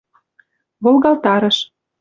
Волгалтарыш